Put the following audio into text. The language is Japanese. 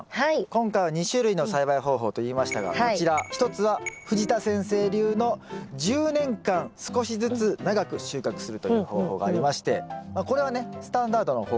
今回は２種類の栽培方法と言いましたがこちら一つは藤田先生流の１０年間少しずつ長く収穫するという方法がありましてこれはねスタンダードな方法でございます。